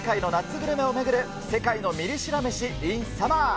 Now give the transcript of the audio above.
グルメを巡る世界のミリ知ら飯ｉｎサマー。